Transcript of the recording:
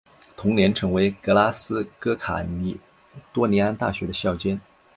同年成为格拉斯哥卡利多尼安大学的校监。